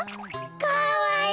かわいい！